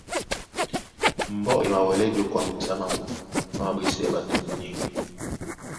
Mbɔ́ e mawɛlɛ́ jǒkwa ŋgusu á mambo má māɓwésɛɛ́ ɓato munyɛŋgɛ.